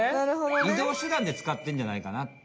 移動手段でつかってんじゃないかなって。